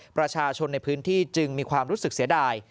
ประชาชนในพื้นที่จึงมีความรู้สึกเสียดาย